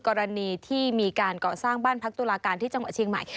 กรณีที่มีการก่อสร้างบ้านพักตุลาการที่จังหวัดเชียงใหม่